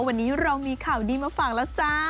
วันนี้เรามีข่าวดีมาฝากแล้วจ้า